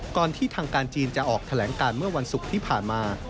ที่ทางการจีนจะออกแถลงการเมื่อวันศุกร์ที่ผ่านมา